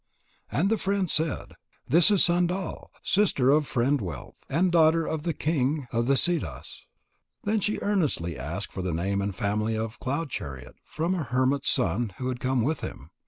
And the friend said: "This is Sandal, sister of Friend wealth, and daughter of the king of the Siddhas." Then she earnestly asked for the name and family of Cloud Chariot from a hermit's son who had come with him.